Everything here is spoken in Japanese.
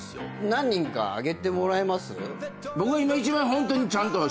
何人か挙げてもらえます？